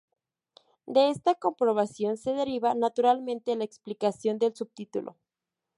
De esta comprobación se deriva naturalmente la explicación del subtítulo.